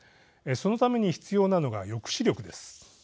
そのために必要なのが抑止力です。